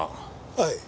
はい。